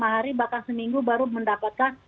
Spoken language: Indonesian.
lima hari bahkan seminggu baru mendapatkan